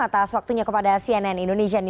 atas waktunya kepada cnn indonesia